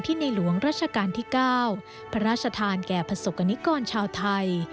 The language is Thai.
ในหลวงราชการที่๙พระราชทานแก่ประสบกรณิกรชาวไทย